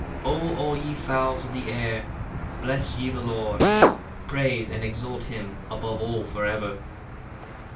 58 O all ye fowls of the air, bless ye the Lord: praise and exalt him above all for ever.